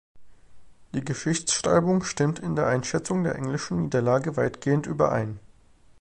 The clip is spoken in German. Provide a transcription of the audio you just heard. Die Geschichtsschreibung stimmt in der Einschätzung der englischen Niederlage weitgehend überein.